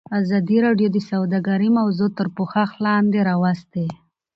ازادي راډیو د سوداګري موضوع تر پوښښ لاندې راوستې.